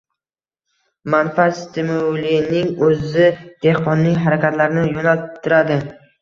Manfaat stimulining o‘zi dehqonning harakatlarini yo‘naltiradi.